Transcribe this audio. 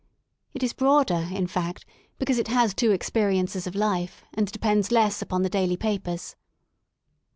It is broader, in fact, because it has two experiences of life, and depends less upon the daily papers.